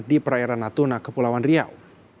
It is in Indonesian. di perairan natuna kepulauan riau